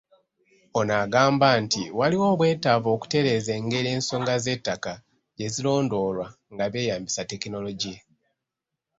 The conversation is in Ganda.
Ono agamba nti waliwo obwetaavu okutereeza engeri ensonga z'ettaka gye zirondoolwa nga beeyambisa tekinologiya.